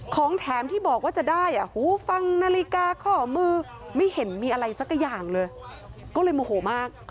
ของแถมที่บอกว่าจะได้ฟังนาฬิกาข้อมือไม่เห็นมีอะไรสักอย่างเลยก็เลยโมโหมาก